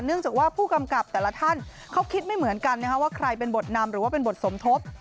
เนื่องจากว่าผู้กำกับแต่ละท่านเขาคิดไม่เหมือนกันว่าใครเป็นบทนำหรือว่าเป็นบทสมทบ